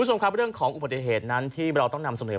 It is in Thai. แสงศูนย์ทรนธ์นั่นเองนะครับ